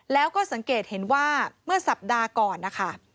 แล้วก็สังเกตเห็นว่าเมื่อสัปดาห์ก่อนนะคะ